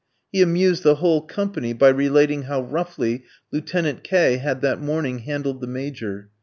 He amused the whole company by relating how roughly Lieutenant K had that morning handled the Major.